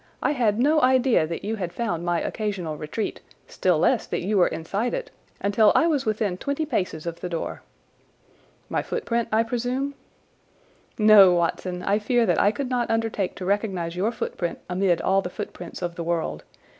I had no idea that you had found my occasional retreat, still less that you were inside it, until I was within twenty paces of the door." "My footprint, I presume?" "No, Watson, I fear that I could not undertake to recognize your footprint amid all the footprints of the world.